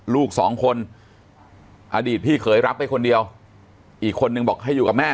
ลูกสองคนอดีตพี่เคยรับไปคนเดียวอีกคนนึงบอกให้อยู่กับแม่